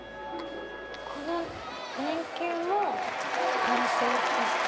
この電球もガラスですか？